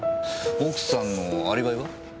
奥さんのアリバイは？